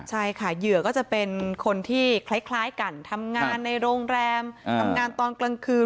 ใช่ค่ะเหยื่อก็จะเป็นคนที่คล้ายกันทำงานในโรงแรมทำงานตอนกลางคืน